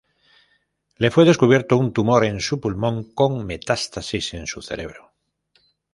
Le fue descubierto un tumor en su pulmón con metástasis en su cerebro.